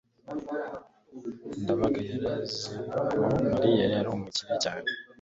ndabaga yari azi ko mariya yari umukire cyane